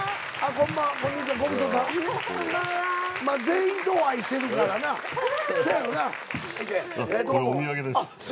これお土産です。